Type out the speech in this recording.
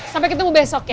sampai ketemu besok ya